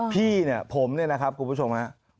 พี่เนี่ยผมเนี่ยนะครับคุณผู้ชมฮะ